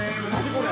これ」